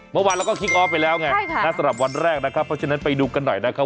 เมื่อวานเราก็คิกออฟไปแล้วไงสำหรับวันแรกนะครับเพราะฉะนั้นไปดูกันหน่อยนะครับ